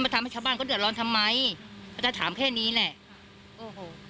ทำให้ชาวบ้านเขาเดือดร้อนทำไมเขาจะถามแค่นี้แหละโอ้โห